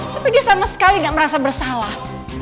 tapi dia sama sekali tidak merasa bersalah